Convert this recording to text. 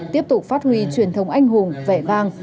tiếp tục phát huy truyền thống anh hùng vẻ vang